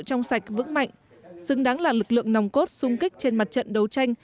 trong sạch vững mạnh xứng đáng là lực lượng nòng cốt sung kích trên mặt trận đấu tranh